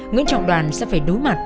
nguyễn trọng đoàn sẽ phải đối mặt